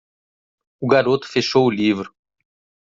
O garoto fechou o livro.